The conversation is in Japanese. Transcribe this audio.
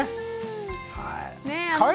はい。